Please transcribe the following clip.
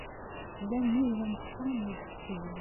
Llan nnig wannect-a n yiseqsiyen.